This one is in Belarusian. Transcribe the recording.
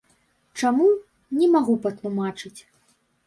Чаму, не магу патлумачыць.